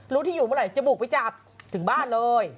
รู้ที่อยู่เมื่อไหร่จะบุกไปจับถึงบ้านเลย